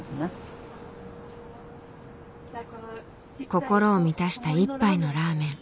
心を満たした一杯のラーメン。